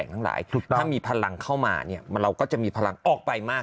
ถ้ามีพลังเข้ามาเนี่ยเราก็จะมีพลังออกไปมาก